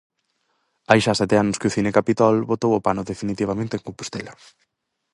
Hai xa sete anos que o Cine Capitol botou o pano definitivamente en Compostela.